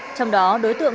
trong đó đối tượng